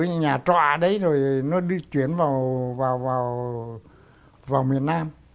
ở nhà tròa đấy rồi nó đi chuyển vào miền nam